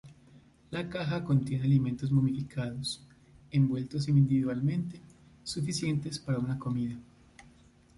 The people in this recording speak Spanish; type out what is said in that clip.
La caja contiene alimentos momificados, envueltos individualmente, suficientes para una comida.